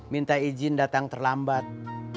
minta izin datang terlambat